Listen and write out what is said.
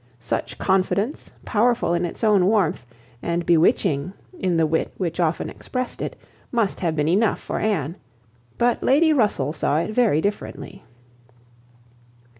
Such confidence, powerful in its own warmth, and bewitching in the wit which often expressed it, must have been enough for Anne; but Lady Russell saw it very differently.